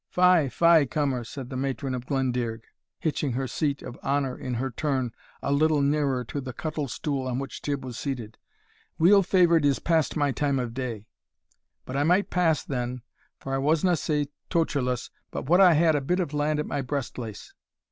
"Fie, fie, cummer," said the matron of Glendearg, hitching her seat of honour, in her turn, a little nearer to the cuttle stool on which Tibb was seated; "weel favoured is past my time of day; but I might pass then, for I wasna sae tocherless but what I had a bit land at my breast lace.